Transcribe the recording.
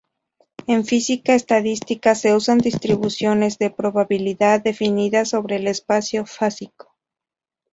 En física estadística se usan distribuciones de probabilidad definidas sobre el espacio fásico.